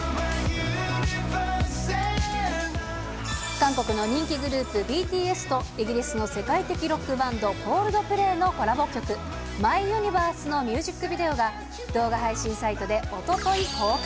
韓国の人気グループ、ＢＴＳと、イギリスの世界的ロックバンド、コールドプレイのコラボ曲、マイユニバースのミュージックビデオが動画配信サイトでおととい公開。